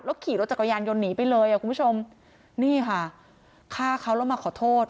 ขี่รถจักรยานยนต์หนีไปเลยอ่ะคุณผู้ชมนี่ค่ะฆ่าเขาแล้วมาขอโทษ